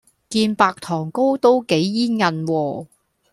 件白糖糕都幾煙韌喎